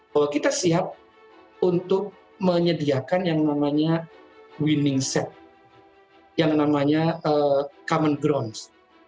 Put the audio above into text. bahwa kita siap untuk menyediakan yang namanya winning set yang namanya common grounds